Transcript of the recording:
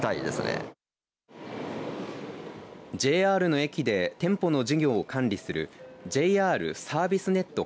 ＪＲの駅で店舗の事業を管理するジェイアールサービスネット